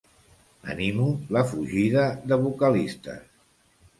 Animo la fugida de vocalistes.